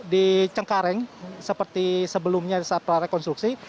di cengkareng seperti sebelumnya saat prarekonstruksi